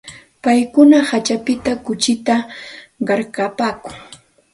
Paykuna kaćhapita kuchita qarqupaakun.